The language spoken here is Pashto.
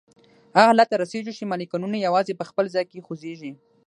هغه حالت ته رسیږو چې مالیکولونه یوازي په خپل ځای کې خوځیږي.